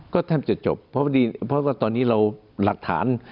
ก็แทบจะจบเพราะว่าตอนนี้เราหลักฐาน